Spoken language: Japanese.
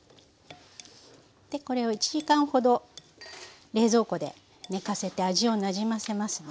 これを１時間ほど冷蔵庫で寝かせて味をなじませますね。